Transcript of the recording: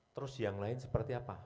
terus yang lain seperti apa